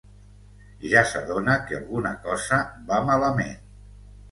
Ja s'adona que alguna cosa va malament.